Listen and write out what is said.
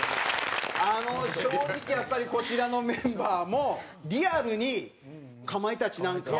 正直、やっぱりこちらのメンバーもリアルに、かまいたちなんかは。